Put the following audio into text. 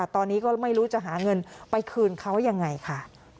ตอนนี้ก็ไม่รู้จะหาเงินไปคืนเขายังไงค่ะ